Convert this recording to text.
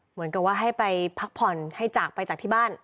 เหมือนกับว่าให้ไปพักผ่อนให้จากไปจากที่บ้าน